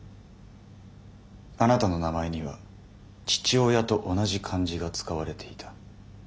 あなたの名前には父親と同じ漢字が使われていた。